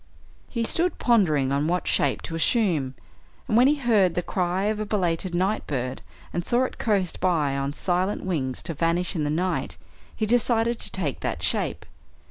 He stood pondering on what shape to assume, and when he heard the cry of a belated night bird, and saw it coast by on silent wings to vanish in the night, he decided to take that shape.